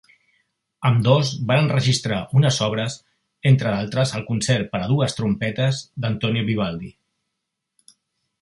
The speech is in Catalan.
Ambdós van enregistrar unes obres, entre d'altres el concert per a dues trompetes d'Antonio Vivaldi.